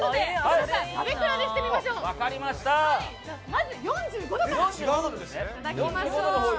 まず４５度からいただきましょう。